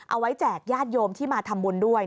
แจกญาติโยมที่มาทำบุญด้วย